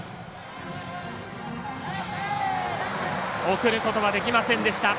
送ることはできませんでした。